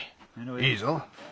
いいぞ。